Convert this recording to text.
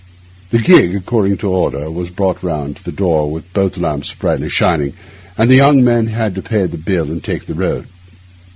The gig, according to order, was brought round to the door with both lamps brightly shining, and the young men had to pay their bill and take the road.